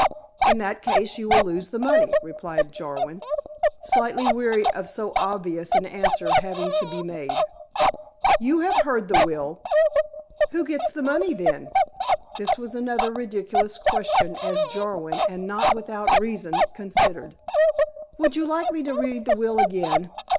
"In that case you will lose the money," replied Jarwin, slightly weary of so obvious an answer having to be made. "You have heard the will." "Who gets the money then?" This was another ridiculous question, as Jarwin, and not without reason, considered. "Would you like me to read the will again?"